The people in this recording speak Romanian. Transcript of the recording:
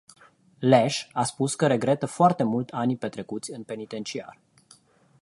Lesch a spus că regretă foarte mult anii petrecuți în penitenciar.